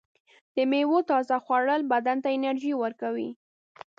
د میوو تازه خوړل بدن ته انرژي ورکوي.